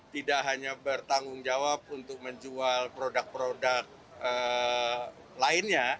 tidak hanya bertanggung jawab untuk menjual produk produk lainnya